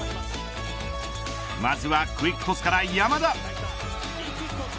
まずはクイックトスから山田。